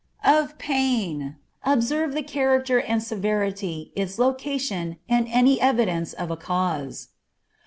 Of pain. Observe the character and severity, its location, and any evidence of a cause.